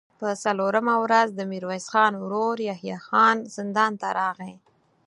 په څلورمه ورځ د ميرويس خان ورو يحيی خان زندان ته راغی.